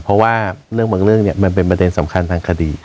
เพราะว่าเรื่องบางเรื่องเนี่ยมันเป็นประเด็นสำคัญทางคดี